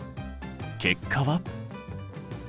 結果は？